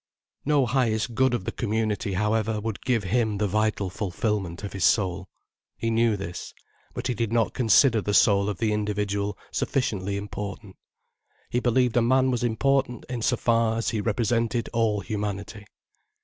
No highest good of the community, however, would give him the vital fulfilment of his soul. He knew this. But he did not consider the soul of the individual sufficiently important. He believed a man was important in so far as he represented all humanity.